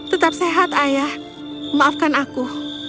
tetap sehat ayah maafkan aku